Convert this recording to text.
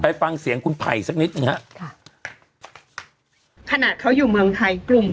ไปฟังเสียงคุณไผ่สักนิดหนึ่งฮะค่ะขนาดเขาอยู่เมืองไทยกลุ่ม